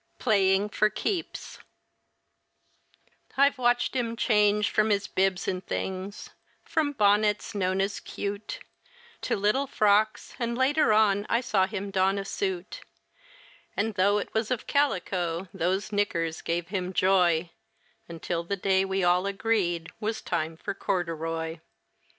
PLAYING FOR KEEPS I've watched him change from his bibs and things, from bonnets known as "cute," To little frocks, and later on I saw him don a suit; And though it was of calico, those knickers gave him joy, Until the day we all agreed 'twas time for corduroy.